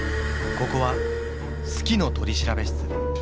ここは「好きの取調室」。